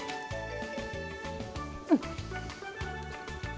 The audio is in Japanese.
うん！